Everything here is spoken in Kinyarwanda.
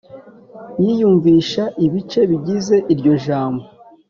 yiyumvisha ibice bigize iryo jambo,